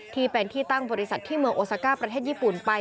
ที่เป็นที่ตั้งบริษัทที่เมืองโอซาก้าประเทศญี่ปุ่นไป